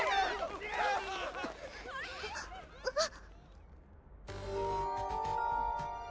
・あっ